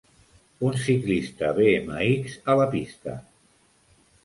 Un ciclista BMX a la pista.